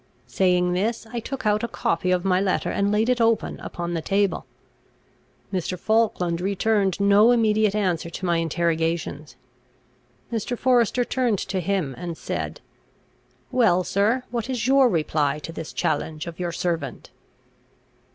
Saying this, I took out a copy of my letter, and laid it open upon the table. Mr. Falkland returned no immediate answer to my interrogations. Mr. Forester turned to him, and said. "Well, sir, what is your reply to this challenge of your servant?"